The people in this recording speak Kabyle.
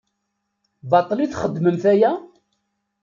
Baṭel i txeddmemt aya?